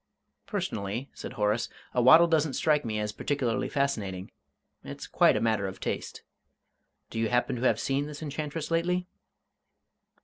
"Personally," said Horace, "a waddle doesn't strike me as particularly fascinating it's quite a matter of taste. Do you happen to have seen this enchantress lately?"